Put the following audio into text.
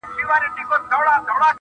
که زه مړ سوم لېري یو نسي زما مړی.